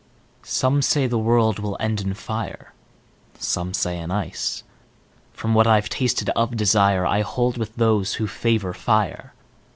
SOME say the world will end in fire, Some say in ice. From what I've tasted of desireI hold with those who favor fire.